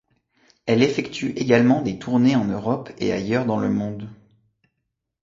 Elle effectue également des tournées en Europe et ailleurs dans le monde.